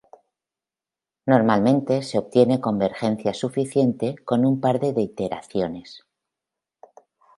Normalmente se obtiene convergencia suficiente con un par de iteraciones.